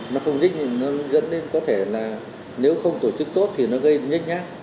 nó không dính thì nó dẫn đến có thể là nếu không tổ chức tốt thì nó gây nhích nhát